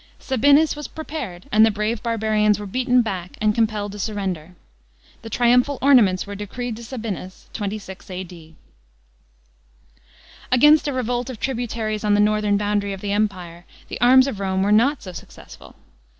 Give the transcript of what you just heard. Sabinus was pre pared, and the brave barbarians were beaten back and compelled to surrender. The triumphal ornaments were decreed to Sabinus (26 A.D.). § 2u. Against a revolt of tributaries on the northern boundary of the Empire, the arms of Rome were not so successful.